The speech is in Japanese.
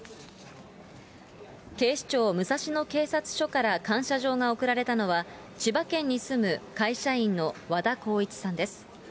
警視庁武蔵野警察署から感謝状が贈られたのは、千葉県に住む会社員の和田浩一さんです。